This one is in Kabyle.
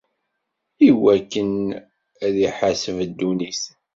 Iwakken ad iḥaseb ddunit.